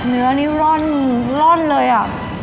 เนื้อนี้ร่อนเลยอ่ะ